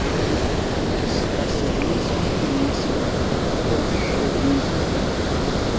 Strasserismo e nacional-bolchevismo